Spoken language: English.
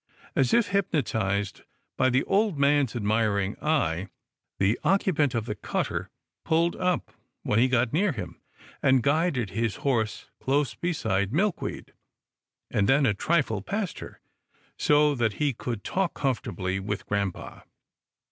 As if hypnotized by the old man's admiring eye, the occupant of the cutter pulled up when he got near him, and guided his horse close beside Milk weed, and then a trifle past her, so that he could talk comfortably with grampa.